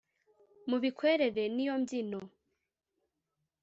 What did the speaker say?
Mu bikwerere niyo mbyino